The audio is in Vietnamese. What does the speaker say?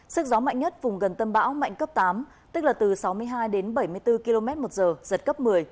sức gió mạnh nhất vùng gần tâm bão mạnh cấp tám tức là từ sáu mươi hai đến bảy mươi bốn km một giờ giật cấp một mươi